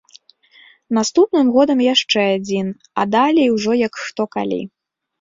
Наступным годам яшчэ адзін, а далей ужо як хто калі.